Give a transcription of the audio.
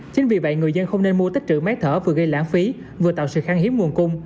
chính vì vậy người dân không nên mua tích trữ máy thở vừa gây lãng phí vừa tạo sự kháng hiếm nguồn cung